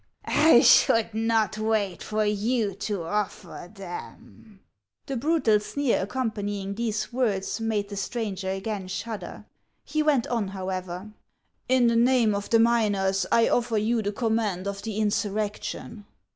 I should not wait for you to offer them." The brutal sneer accompanying these words made the stranger again shudder. He went on, however :—" In the name of the miners, I offer you the command of the insurrection."